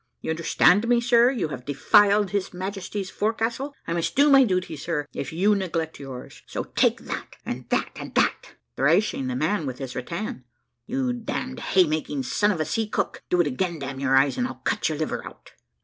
You understand me, sir, you have defiled His Majesty's forecastle. I must do my duty, sir, if you neglect yours; so take that and that and that," (thrashing the man with his rattan) "you damned haymaking son of a seacook. Do it again, damn your eyes, and I'll cut your liver out."